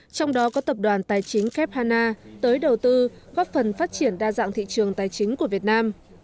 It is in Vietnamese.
trong đó có tập đoàn tài chính kép hà na tới đầu tư góp phần phát triển đa dạng thị trường tài chính của việt nam